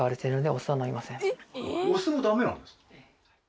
お酢もダメなんですか！？